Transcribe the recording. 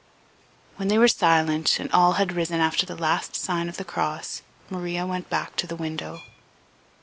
When they were silent, and all had risen after the last sign of the cross, Maria went back to the window.